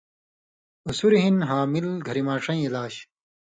ہُسُریۡ ہِن حامل گھریۡ ماݜَیں علاج